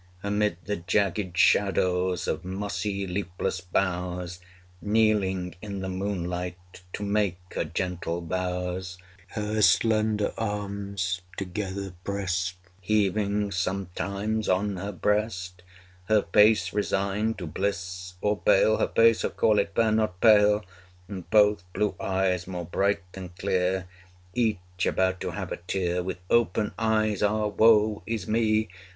Amid the jaggéd shadows Of mossy leafless boughs, Kneeling in the moonlight, To make her gentle vows; 285 Her slender palms together prest, Heaving sometimes on her breast; Her face resigned to bliss or bale Her face, oh call it fair not pale, And both blue eyes more bright than clear, 290 Each about to have a tear. With open eyes (ah woe is me!)